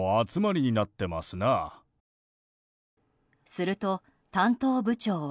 すると、担当部長は。